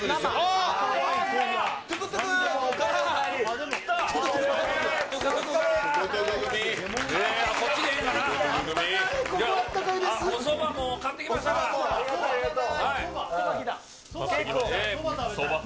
ありがとう。